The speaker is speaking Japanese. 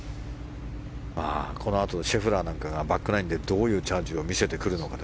このあとシェフラーなどがバックナインでどういうチャージを見せてくるのか。